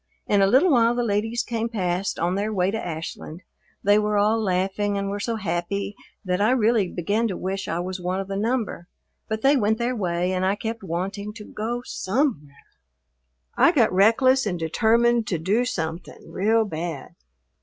In a little while the ladies came past on their way to Ashland. They were all laughing and were so happy that I really began to wish I was one of the number, but they went their way and I kept wanting to go somewhere. I got reckless and determined to do something real bad.